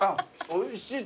おいしい。